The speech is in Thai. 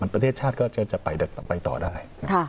ประเทศชาติก็จะไปต่อได้